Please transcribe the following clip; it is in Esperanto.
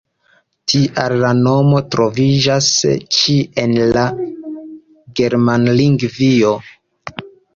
Tial la nomo troviĝas ĉie en la Germanlingvio.